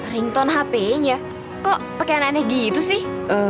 ringtone hpnya kok pakaian aneh gitu sih